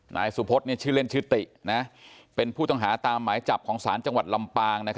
นายสุพศชื่อเล่นชื่อติเป็นผู้ต้องหาตามหมายจับของศาลจังหวัดลำปาง